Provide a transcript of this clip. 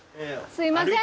すいません